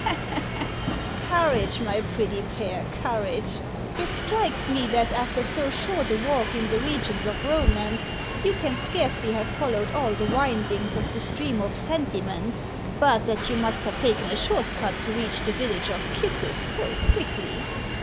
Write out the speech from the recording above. " Courage, my pretty pair ! Courage ! It strikes me that after so short a walk in the regions of Komance you can scarcely have followed all the windings of the stream of Sentiment, but that you must have taken a short cut to reach the village of Kisses so quickly."